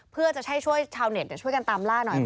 เพื่อจะให้ช่วยชาวเน็ตช่วยกันตามล่าหน่อย